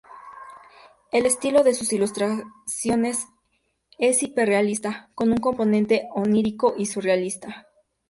El estilo de sus ilustraciones es hiperrealista, con un componente onírico y surrealista.